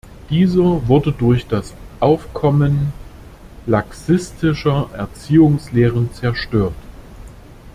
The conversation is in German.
Dieser wurde durch das Aufkommen laxistischer Erziehungslehren zerstört.